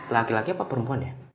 laki laki apa perempuan